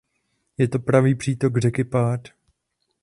Je to pravý přítok řeky Pád.